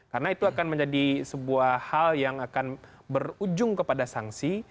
karena itu akan menjadi sebuah hal yang akan berujung kepada sanksi